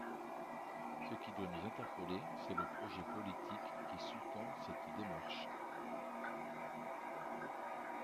Ce qui doit nous interpeller, c’est le projet politique qui sous-tend cette démarche.